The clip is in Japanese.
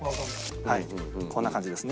はいこんな感じですね。